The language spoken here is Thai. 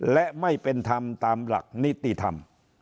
และไม่เป็นธรรมตามหลักนิติธรรม